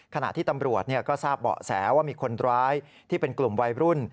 ขณะที่ตำรวจก็ทราบเบาะแสว่ามีคนร้ายที่เป็นกลุ่มวัยรุ่น